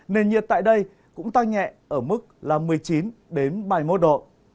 nền nhiệt tại đây cũng tăng nhẹ ở mức là một mươi chín ba mươi một độ